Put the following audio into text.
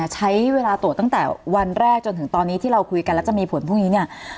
ใช้เวลาตรวจตั้งแต่วันแรกจนถึงตอนนี้ที่เราคุยกันแล้วจะมีผลพรุ่งนี้เนี่ย